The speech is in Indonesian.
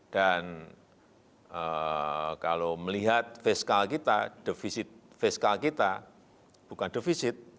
dan kalau melihat fiskal kita defisit fiskal kita bukan defisit